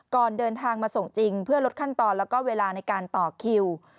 ก่อนเดินทางมาส่งจริงเพื่อลดขั้นตอนแล้วก็เวลาในการต่อคิว